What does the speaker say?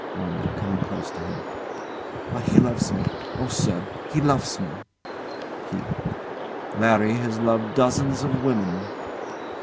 WANDA. [Coming close to him] But he love me. Oh, sir! he love me! KEITH. Larry has loved dozens of women.